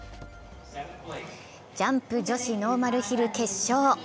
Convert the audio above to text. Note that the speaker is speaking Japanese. ジャンプ女子ノーマルヒル決勝。